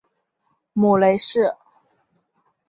母雷氏。